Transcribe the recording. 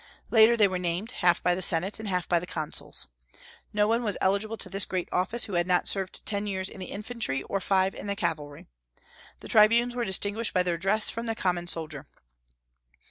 Later they were named, half by the Senate and half by the consuls. No one was eligible to this great office who had not served ten years in the infantry or five in the cavalry. The tribunes were distinguished by their dress from the common soldier.